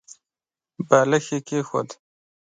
بالښت يې کېښود.